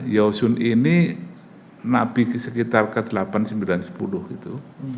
yaw sun ini nabi sekitar ke delapan sembilan sepuluh gitu